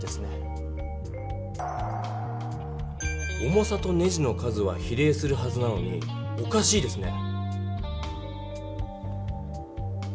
重さとネジの数は比例するはずなのにおかしいですね。